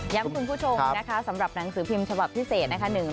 คุณผู้ชมนะคะสำหรับหนังสือพิมพ์ฉบับพิเศษนะคะ